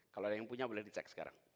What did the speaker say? kalau yang punya boleh dicek sekarang